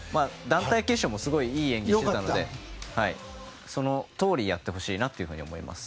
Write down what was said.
団体決勝もすごくいい演技をしていたのでそのとおりやってほしいなと思います。